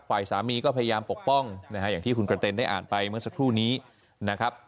ฝ่ายสามีก็พยายามปกป้องนะฮะอย่างที่คุณกระเต็นได้อ่านไปเมื่อสักครู่นี้นะครับ